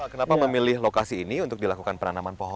kenapa memilih lokasi ini untuk dilakukan penanaman pohon